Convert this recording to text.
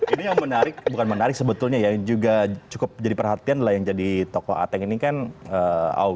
ini yang menarik bukan menarik sebetulnya ya yang juga cukup jadi perhatian lah yang jadi tokoh ateng ini kan audi